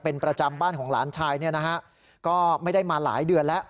เป็นประจำบ้านของหลานชายเนี่ยนะฮะก็ไม่ได้มาหลายเดือนแล้ว